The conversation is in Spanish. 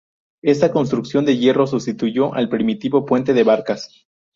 Esta construcción de hierro sustituyó al primitivo puente de Barcas.